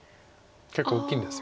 結構大きいんです。